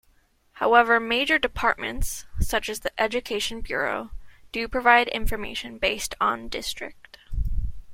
However major departments, such as the Education Bureau, do provide information based on district.